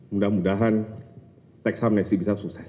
mudah mudahan teks amnesti bisa sukses